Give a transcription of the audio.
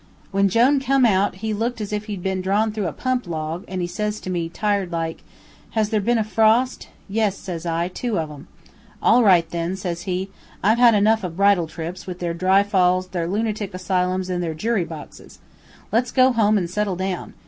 "When Jone come out, he looked like he'd been drawn through a pump log, an' he says to me, tired like, "'Has there been a frost?' "'Yes,' says I, 'two of 'em.' "'All right, then,' says he. 'I've had enough of bridal trips, with their dry falls, their lunatic asylums, and their jury boxes. Let's go home and settle down.